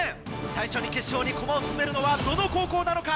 最初に決勝に駒を進めるのはどの高校なのか？